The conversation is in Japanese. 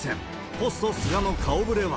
ポスト菅の顔ぶれは。